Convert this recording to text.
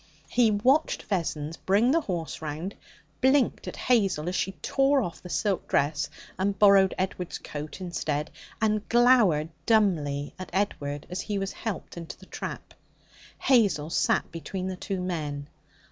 He watched Vessons bring the horse round, blinked at Hazel as she tore off the silk dress and borrowed Edward's coat instead, and glowered dumbly at Edward as he was helped into the trap. Hazel sat between the two men.